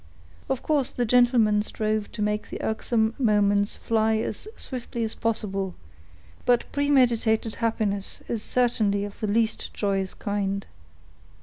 Of course, the gentlemen strove to make the irksome moments fly as swiftly as possible; but premeditated happiness is certainly of the least joyous kind.